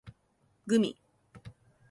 gumi